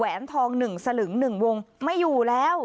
แหวนทองหนึ่งสลึงหนึ่งวงไม่อยู่แล้ว